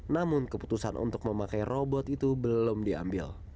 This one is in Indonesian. namun keputusan untuk memakai robot itu belum diambil